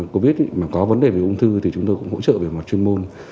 covid mà có vấn đề về ung thư thì chúng tôi cũng hỗ trợ về mặt chuyên môn